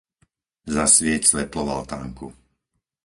Zasvieť svetlo v altánku.